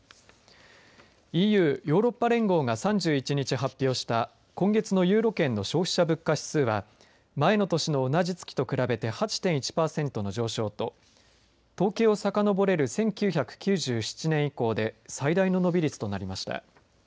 ＥＵ、ヨーロッパ連合が３１日発表した今月のユーロ圏の消費者物価指数は前の年の同じ月と比べて８．１パーセントの上昇と統計をさかのぼれる１９９７年以降で最大の伸び率となりました。